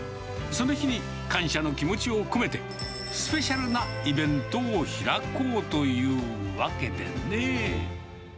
その日に感謝の気持ちを込めて、スペシャルなイベントを開こうというわけでねぇ。